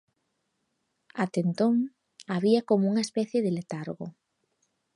Até entón había como unha especie de letargo.